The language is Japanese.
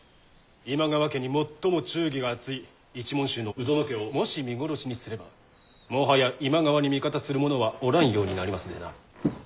今川家に最も忠義が厚い一門衆の鵜殿家をもし見殺しにすればもはや今川に味方する者はおらんようになりますでな。